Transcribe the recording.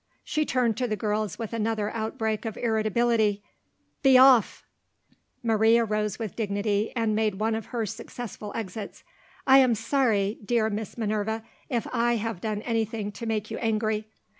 She turned to the girls with another outbreak of irritability. "Be off!" Maria rose with dignity, and made one of her successful exits. "I am sorry, dear Miss Minerva, if I have done anything to make you angry."